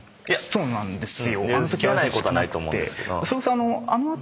そうなんですよ。